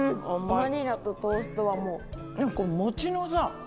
バニラとトーストはもう。